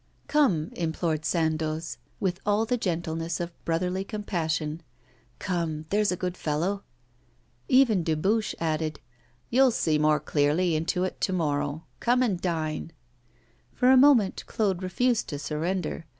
'Come,' implored Sandoz, with all the gentleness of brotherly compassion. 'Come, there's a good fellow.' Even Dubuche added, 'You'll see more clearly into it to morrow. Come and dine.' For a moment Claude refused to surrender.